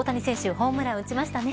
ホームラン打ちましたね。